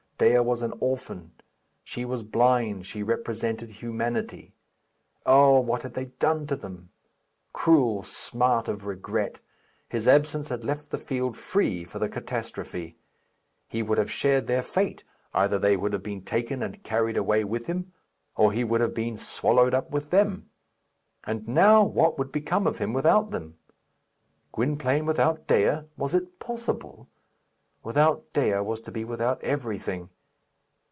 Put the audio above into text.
Dea was an orphan. She was blind; she represented humanity. Oh! what had they done to them? Cruel smart of regret! His absence had left the field free for the catastrophe. He would have shared their fate; either they would have been taken and carried away with him, or he would have been swallowed up with them. And, now, what would become of him without them? Gwynplaine without Dea! Was it possible? Without Dea was to be without everything.